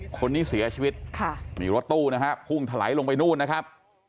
คนนี้เสียชีวิตค่ะนี่รถตู้นะฮะพุ่งถลายลงไปนู่นนะครับ